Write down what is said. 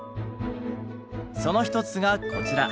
その一つがこちら。